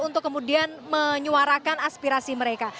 untuk kemudian menyuarakan aspirasi mereka